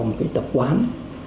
một cái tập quán